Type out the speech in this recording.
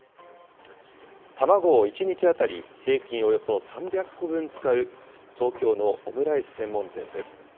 卵を１日当たり平均およそ３００個分使う、東京のオムライス専門店です。